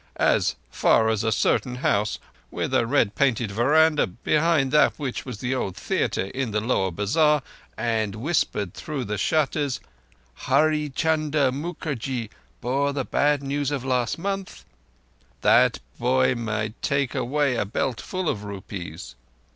—as far as a certain house with a red painted veranda, behind that which was the old theatre in the Lower Bazar, and whispered through the shutters: 'Hurree Chunder Mookerjee bore the bad news of last month', that boy might take away a belt full of rupees."